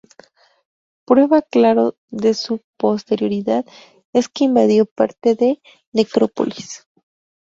Prueba clara de su posterioridad es que invadió parte de la Necrópolis.